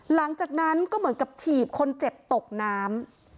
หลังจากนั้นก็เหมือนกับถีบคนเจ็บตกน้ำ